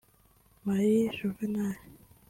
Marie Juvénal